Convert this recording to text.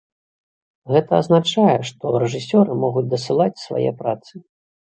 Гэта азначае, што рэжысёры могуць дасылаць свае працы.